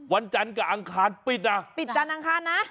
วันจันทร์กับอังคารปิดนะปิดจันทร์อังคารนะ